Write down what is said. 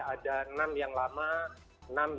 ada enam yang lama